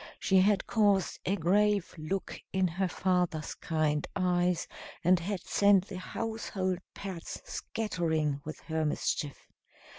She had caused a grave look in her father's kind eyes, and had sent the household pets scattering with her mischief.